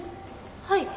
はい。